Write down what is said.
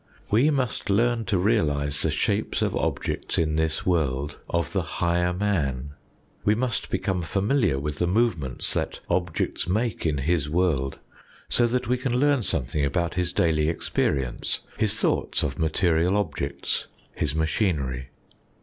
We must learn to realise the shapes of objects in this world of the higher man ; we must become familiar with the movements that objects make in his world, so that we can learn something about his daily experience, his thoughts of material objects, his machinery.